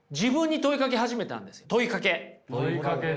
問いかけね。